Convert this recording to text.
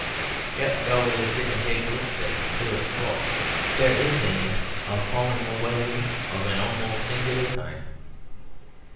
Yet though it is Dickens's ablest and clearest book, there is in it a falling away of a somewhat singular kind.